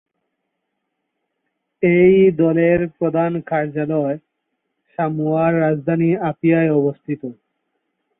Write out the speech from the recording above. এই দলের প্রধান কার্যালয় সামোয়ার রাজধানী আপিয়ায় অবস্থিত।